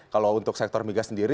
kalau untuk sektor migas sendiri